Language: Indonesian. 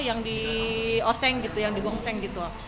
yang di oseng gitu yang di gongseng gitu